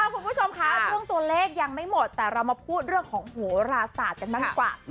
คุณผู้ชมคะเรื่องตัวเลขยังไม่หมดแต่เรามาพูดเรื่องของโหราศาสตร์กันบ้างดีกว่า